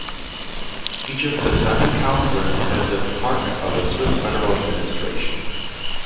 Each of the seven Councillors heads a department of the Swiss federal administration.